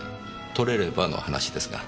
採れればの話ですが。